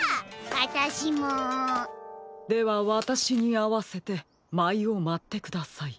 あたしも！ではわたしにあわせてまいをまってください。